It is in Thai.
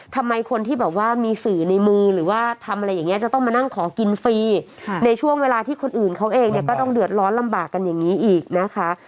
ทำไมคนที่แบบว่ามีสื่อในมือหรือว่าทำอะไรอย่างนี้จะต้องมานั่งขอกินฟรีในช่วงเวลาที่คนอื่นเขาเองเนี่ยก็ต้องเดือดร้อนลำบากกันอย่างนี้อีกนะคะ